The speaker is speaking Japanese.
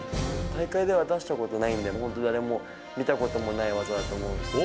大会では出したことないんで、本当、誰も見たこともない技だと思う。